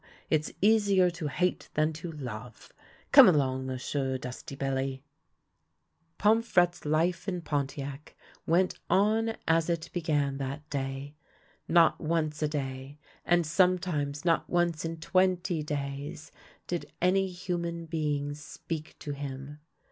it's easier to hate than to love. Come along, M'sieu' dusty belly." Pomfrette's life in Pontiac went on as it began that day. Not once a day, and sometimes not once in twenty days, did any human being speak to him.